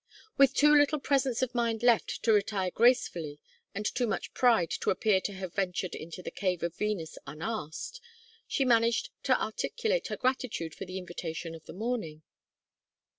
With too little presence of mind left to retire gracefully and too much pride to appear to have ventured into the cave of Venus unasked, she managed to articulate her gratitude for the invitation of the morning.